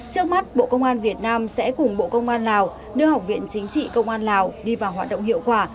trước mắt bộ công an việt nam sẽ cùng bộ công an lào đưa học viện chính trị công an lào đi vào hoạt động hiệu quả